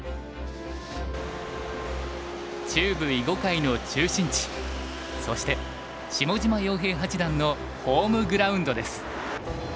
中部囲碁界の中心地そして下島陽平八段のホームグラウンドです。